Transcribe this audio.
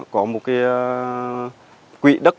có một cái quỵ đất